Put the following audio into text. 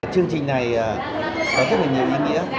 chương trình này có rất nhiều ý nghĩa